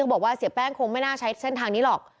บอกว่าเสียแป้งคงไม่น่าใช้เส้นทางนี้หรอก